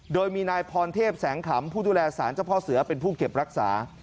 โดยมีนายพรเทพแสงขำผู้ดูแลสารเจ้าพ่อเสือเป็นผู้เก็บรักษา